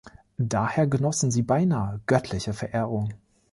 Daher genossen sie beinahe göttliche Verehrung.